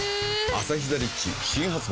「アサヒザ・リッチ」新発売